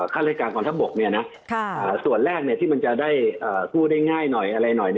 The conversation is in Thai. ฆาตการกองทัพบกส่วนแรกที่มันจะได้พูดได้ง่ายหน่อยอะไรหน่อย